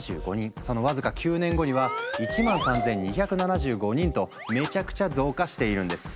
その僅か９年後には１３，２７５人とめちゃくちゃ増加しているんです。